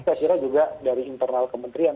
saya kira juga dari internal kementerian